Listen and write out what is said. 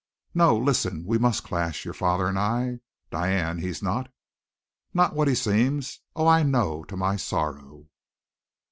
"No, listen. We must clash, your father and I. Diane, he's not " "Not what he seems! Oh, I know, to my sorrow."